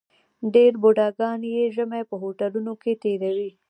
ډېر بوډاګان یې ژمی په هوټلونو کې تېروي.